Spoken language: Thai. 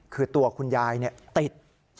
คือตัวคุณยายติด